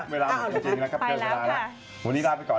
เวลาเฉลี่ยจริงไปแล้วก่อน